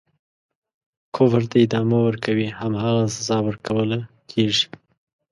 کفر ته ادامه ورکوي هماغه سزا ورکوله کیږي.